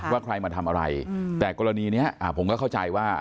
ว่าใครมาทำอะไรแต่กรณีนี้ผมก็เข้าใจว่า